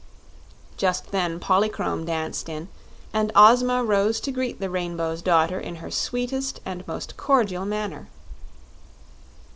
Just then Polychrome danced in, and Ozma rose to greet the Rainbow's Daughter in her sweetest and most cordial manner.